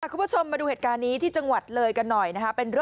คุณผู้ชมมาดูเหตุการณ์นี้ที่จังหวัดเลยกันหน่อยนะคะ